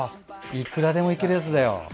いくらでも行けるやつだよ。